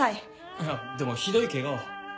いやでもひどいケガを。